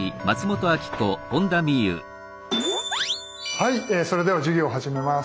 はいそれでは授業を始めます。